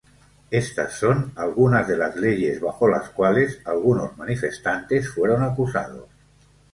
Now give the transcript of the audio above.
Estas son algunas de las leyes bajo las cuales algunos manifestantes fueron acusados.